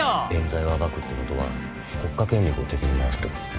「冤罪を暴くってことは国家権力を敵に回すってこと。